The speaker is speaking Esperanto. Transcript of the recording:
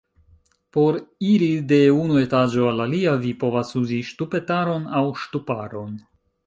Por iri de unu etaĝo al alia, vi povas uzi ŝtupetaron aŭ ŝtuparon.